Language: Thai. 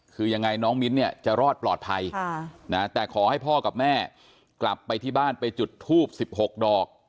คือยังไงน้องมิ้นเนี่ยจะรอดปลอดภัยแต่ขอให้พ่อกับแม่กลับไปที่บ้านไปจุดทูบ๑๖ดอก